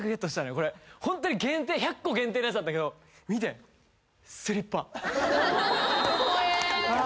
これホントに限定１００個限定のやつなんだけど見てスリッパ・こえーっ！